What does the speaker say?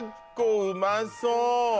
うまそう